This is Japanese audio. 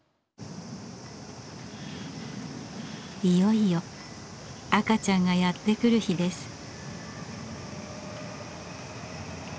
いよいよ赤ちゃんがやって来る日です。